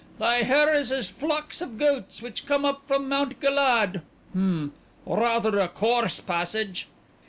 Thy hair is as flocks of goats which come up from Mount Galaad Hm! Rather a coarse passage...."